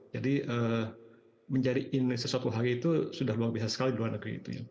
jadi menjadi indonesia suatu hari itu sudah luar biasa sekali di luar negeri